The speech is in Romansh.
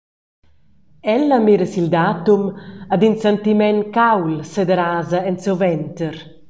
Ella mira sil datum ed in sentiment cauld sederasa en siu venter.